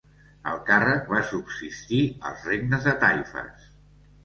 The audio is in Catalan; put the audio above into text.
El càrrec va subsistir als regnes de taifes.